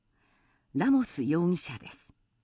ラモス容疑者です。